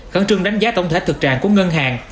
khẩn trương đánh giá tổng thể thực trạng của ngân hàng